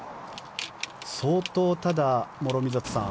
相当、ただ、諸見里さん